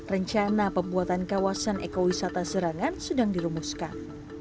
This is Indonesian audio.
rencana pembuatan kawasan ekowisata serangan sedang dirumuskan